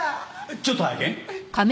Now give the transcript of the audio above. ちょっと拝見。